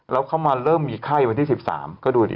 แล้วเข้ามาเริ่มมีไข้วันที่๑๓